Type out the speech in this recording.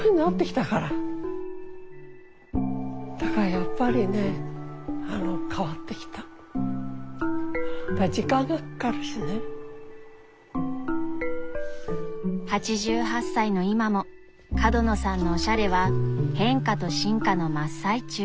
やっぱりだから８８歳の今も角野さんのおしゃれは変化と進化の真っ最中。